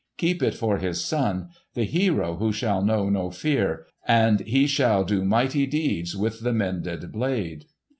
Keep it for his son, the hero who shall know no fear, and he shall do mighty deeds with its mended blade."